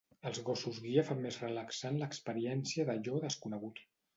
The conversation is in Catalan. Els gossos guia fan més relaxant l'experiència d'allò desconegut.